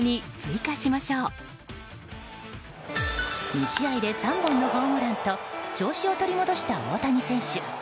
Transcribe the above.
２試合で３本のホームランと調子を取り戻した大谷選手。